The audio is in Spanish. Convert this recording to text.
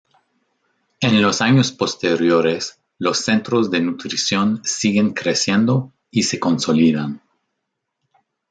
En los años posteriores, los Centros de Nutrición siguen creciendo y se consolidan.